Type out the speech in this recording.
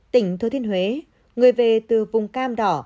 tỉnh thừa thiên huế người về từ vùng cam đỏ